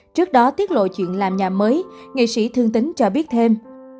trước đó tiết lộ chuyện làm nhà mới nghệ sĩ thương tính cho biết thêm